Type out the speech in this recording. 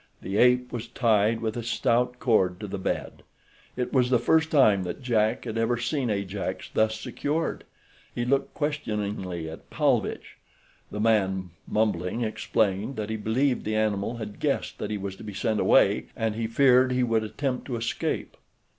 The ape was tied with a stout cord to the bed. It was the first time that Jack had ever seen Ajax thus secured. He looked questioningly at Paulvitch. The man, mumbling, explained that he believed the animal had guessed that he was to be sent away and he feared he would attempt to escape.